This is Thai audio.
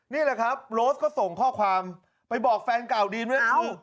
นี่แหละครับโรสก็ส่งข้อความไปบอกแฟนเก่าดีนด้วยคือ